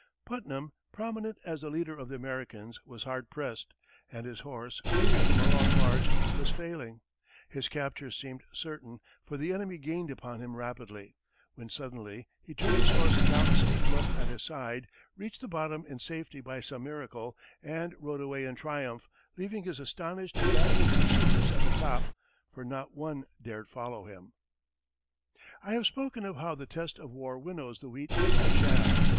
Putnam, prominent as the leader of the Americans, was hard pressed, and his horse, weary from a long march, was failing; his capture seemed certain, for the enemy gained upon him rapidly; when suddenly, he turned his horse down the steep bluff at his side, reached the bottom in safety by some miracle, and rode away in triumph, leaving his astonished and baffled pursuers at the top, for not one dared follow him! I have spoken of how the test of war winnows the wheat from the chaff.